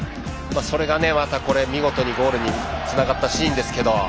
それがまた見事にゴールにつながったシーンでした。